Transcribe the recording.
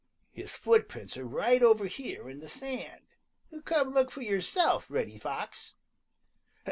His footprints are right over here in the sand. Come look for yourself, Reddy Fox."